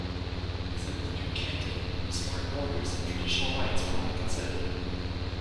Within the new canton, historic borders and traditional rights were not considered.